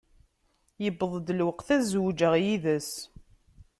Iwweḍ-d lweqt ad zewǧeɣ yid-s.